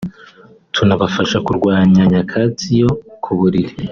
tunabafasha kurwanya nyakatsi yo ku buriri